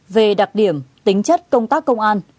về đặc điểm tính chất công tác công an